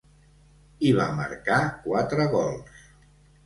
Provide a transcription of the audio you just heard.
Hi va marcar quatre gols.